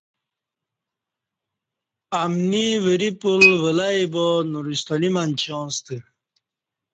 امنی وریپول ولئی با نورستانی منچاں سته